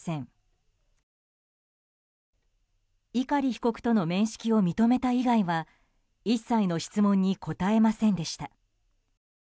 碇被告との面識を認めた以外は一切の質問に答えませんでした。